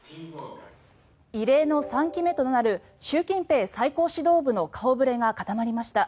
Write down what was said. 異例の３期目となる習近平最高指導部の顔触れが固まりました。